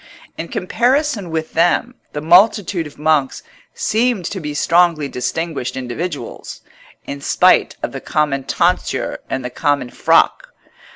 In comparison with them, the multitude of monks seemed to be strongly distinguished individuals, in spite of the common tonsure and the common frock.